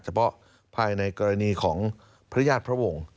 เฉพาะภายในกรณีของพระญาติพระวงศ์